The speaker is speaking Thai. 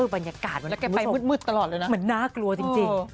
บรรยากาศมันมืดมันน่ากลัวจริง